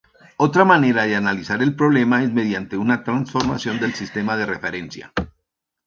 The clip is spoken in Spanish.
Otra manera de analizar el problema es mediante una transformación del sistema de referencia.